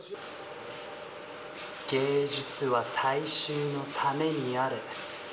芸術は大衆のためにある。